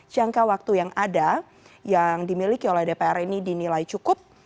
jangka waktu yang ada yang dimiliki oleh dpr ini dinilai cukup